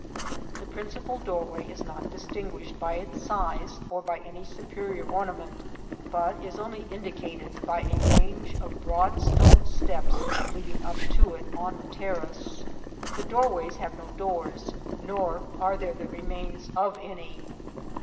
The principal doorway is not distinguished by its size or by any superior ornament, but is only indicated by a range of broad stone steps leading up to it on the terrace. The doorways have no doors, nor are there the remains of any.